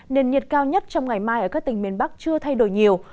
nền nhiệt cao nhất trong ngày mai ở các tỉnh miền bắc chưa thay đổi nhiều